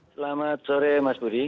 selamat sore mas budi